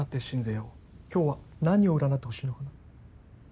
今日は何を占ってほしいのかな？